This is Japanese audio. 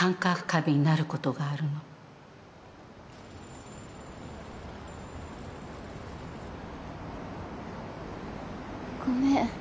過敏になることがあるのごめん。